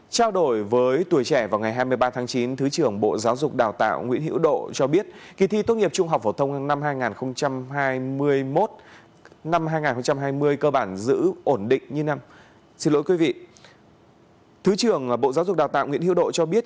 trao đổi với tuổi trẻ vào ngày hai mươi ba tháng chín thứ trưởng bộ giáo dục đào tạo nguyễn hữu độ cho biết